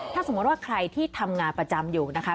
ถ้าสมมุติว่าใครที่ทำงานประจำอยู่นะคะ